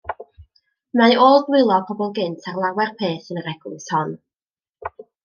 Y mae ôl dwylo pobl gynt ar lawer peth yn yr eglwys hon.